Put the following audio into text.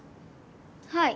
はい。